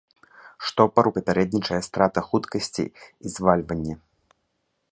Штопару папярэднічае страта хуткасці і звальванне.